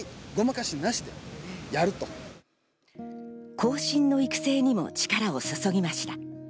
後進の育成にも力を注ぎました。